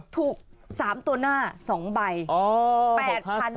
ถูก๓ตัวหน้า๒ใบ๘๐๐๐บาท